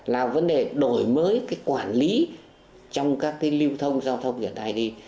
là vấn đề đổi mới cái quản lý trong các cái lưu thông giao thông hiện nay đi